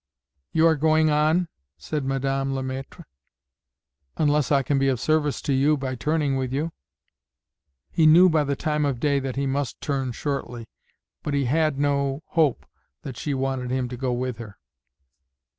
"You are going on?" said Madame Le Maître. "Unless I can be of service to you by turning with you." He knew by the time of day that he must turn shortly; but he had no hope that she wanted him to go with her.